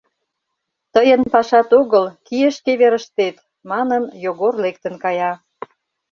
— Тыйын пашат огыл, кие шке верыштет, — манын, Йогор лектын кая.